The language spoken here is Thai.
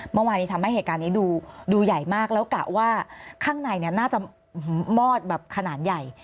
เมื่อวานนี้ทำให้เหตุการณ์นี้ดูใหญ่มากแล้วกะว่าข้างในน่าจะมอดแบบขนาดใหญ่